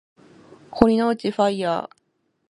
城之内ファイアー